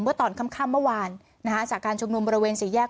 เมื่อตอนคำคำเมื่อวานนะคะจากการชมนุมบริเวณสี่แยก